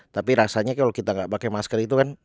tapi rasanya kalau kita nggak pakai masker itu kan